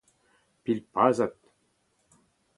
Pilpazat